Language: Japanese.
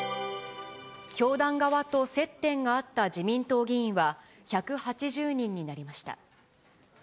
教団側と接点があった自民党議員は、１８０人になりました。